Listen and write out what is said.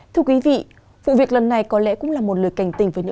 thưa quý vị vụ việc lần này có lẽ cũng là một lời cảnh tình